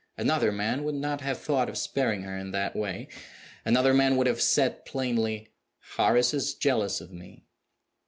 Another man would not have thought of sparing her in that way. Another man would have said, plainly, "Horace is jealous of me."